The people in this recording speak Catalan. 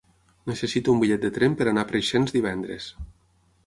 Necessito un bitllet de tren per anar a Preixens divendres.